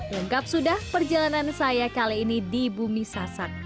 lengkap sudah perjalanan saya kali ini di bumi sasak